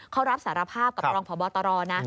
เขารับสารภาพกับรองผ่อบอตร